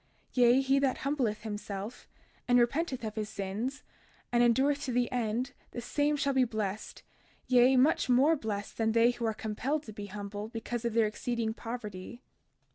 32:15 Yea, he that truly humbleth himself, and repenteth of his sins, and endureth to the end, the same shall be blessed—yea, much more blessed than they who are compelled to be humble because of their exceeding poverty.